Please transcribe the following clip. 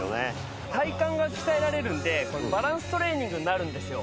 体幹が鍛えられるんでバランストレーニングになるんですよ。